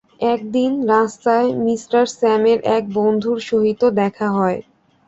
একদিন রাস্তায় মি স্যামের এক বন্ধুর সহিত দেখা হয়।